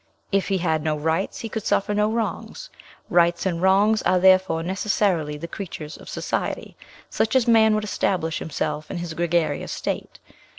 If he had no rights, he could suffer no wrongs. Rights and wrongs are therefore necessarily the creatures of society, such as man would establish himself in his gregarious state.